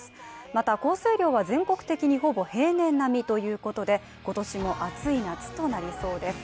また降水量は全国的にほぼ平年並みということで、今年も暑い夏となりそうです。